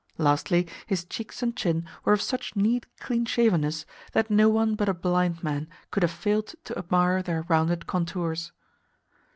Lastly, his cheeks and chin were of such neat clean shavenness that no one but a blind man could have failed to admire their rounded contours.